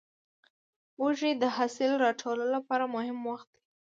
وږی د حاصل راټولو لپاره مهم وخت دی.